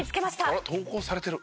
あら投稿されてる！